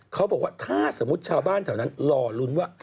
เขาบอกว่าถ้าสมมุติชาวบ้านแถวนั้นรอลุ้นว่า